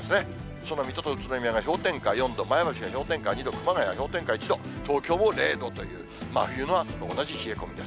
その水戸と宇都宮が氷点下４度、前橋が氷点下２度、熊谷が氷点下１度、東京も０度という、真冬の朝と同じ冷え込みです。